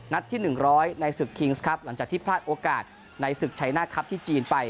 ที่๑๐๐ในศึกคิงส์ครับหลังจากที่พลาดโอกาสในศึกชัยหน้าครับที่จีนไป